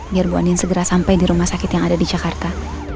biar bu anin segera sampai di rumah sakit yang ada di jakarta